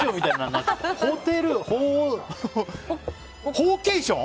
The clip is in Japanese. ホーケーション？